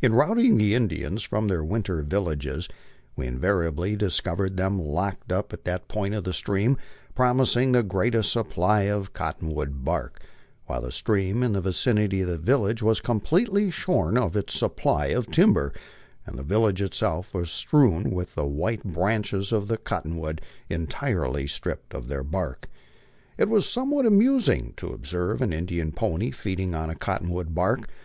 In routing the Indians from their winter villages, we invariably discovered them located upon that point of the stream promising the greatest supply of cottonwood bark, while the stream in the vicinity of the village was completely shorn of its supply of timber, and the village itself was strewn with the white branches of the cotton wood entirely stripped of their bark. It was somewhat amusing to observe an Indian pony feeding on cottonwood bark.